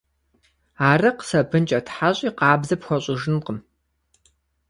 Арыкъ сабынкӀэ тхьэщӀи къабзэ пхуэщӀыжынкъым.